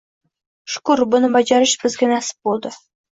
Shukr, buni bajarish bizga nasib boʻldi.